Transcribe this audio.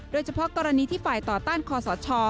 โดยเฉพาะกรณีที่ฝ่ายต่อต้านคอสช